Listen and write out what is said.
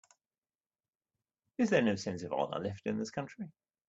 Is there no sense of honor left in this country?